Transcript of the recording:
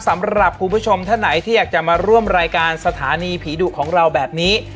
สำหรับคุณผู้ชมท่านไหนที่อยากจะมาร่วมรายการสถานีผีดุของเราแบบนี้